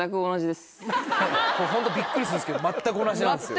ホントびっくりするんですけど全く同じなんですよ。